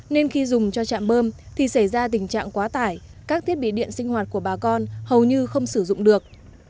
nên khi dùng cho trạm bơm thì xảy ra tình trạng quá tải các thiết bị điện sinh hoạt của bà con hầu như không sử dụng được